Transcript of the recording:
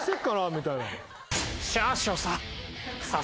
みたいな。